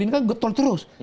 ini kan getol terus